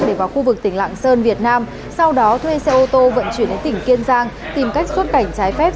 để vào khu vực tỉnh lạng sơn việt nam sau đó thuê xe ô tô vận chuyển đến tỉnh kiên giang tìm cách xuất cảnh trái phép